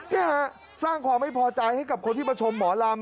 นี่ฮะสร้างความไม่พอใจให้กับคนที่มาชมหมอลำ